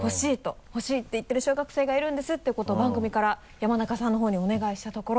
欲しいって言ってる小学生がいるんですっていうことを番組から「ヤマナカ」さんの方にお願いしたところ。